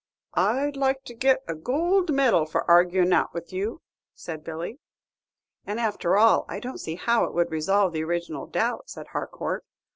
"I'd like to get a goold medal for arguin' it out with you," said Billy. "And, after all, I don't see how it would resolve the original doubt," said Harcourt.